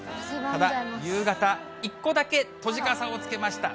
ただ夕方、１個だけ、閉じ傘をつけました。